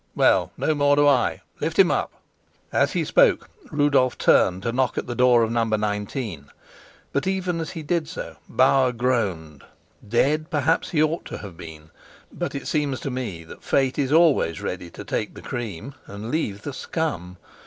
Well, no more do I. Lift him up." As he spoke Rudolf turned to knock at the door of No. 19. But even as he did so Bauer groaned. Dead perhaps he ought to have been, but it seems to me that fate is always ready to take the cream and leave the scum.